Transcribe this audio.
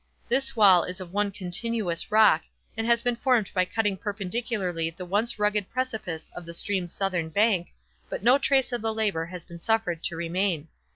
This wall is of one continuous rock, and has been formed by cutting perpendicularly the once rugged precipice of the stream's southern bank, but no trace of the labor has been suffered to remain.